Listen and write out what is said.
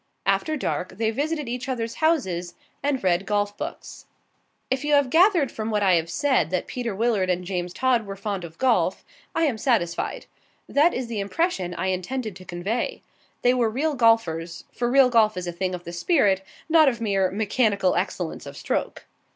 After dark, they visited each other's houses and read golf books. If you have gathered from what I have said that Peter Willard and James Todd were fond of golf, I am satisfied. That is the impression I intended to convey. They were real golfers, for real golf is a thing of the spirit, not of mere mechanical excellence of stroke.